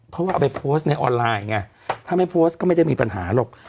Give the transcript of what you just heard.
เพราะว่าเอาไปโพสต์ในออนไลน์ไงถ้าไม่โพสต์ก็ไม่ได้มีปัญหาหรอก